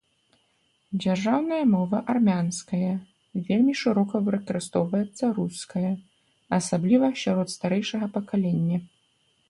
Дзяржаўная мова армянская, вельмі шырока выкарыстоўваецца руская, асабліва сярод старэйшага пакалення.